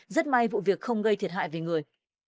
rất may vụ việc không gây thiệt hại về người